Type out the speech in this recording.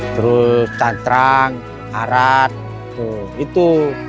terus cantrang arat itu